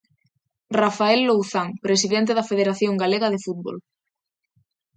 Rafael Louzán, Presidente da Federación Galega de Fútbol.